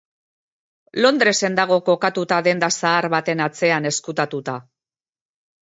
Londresen dago kokatuta denda zahar baten atzean ezkutatuta.